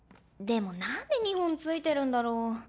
でもなんで２本ついてるんだろう。